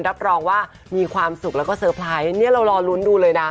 รับรองว่ามีความสุขแล้วก็เซอร์ไพรส์เนี่ยเรารอลุ้นดูเลยนะ